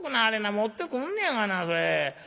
持ってくんねやがなそれ。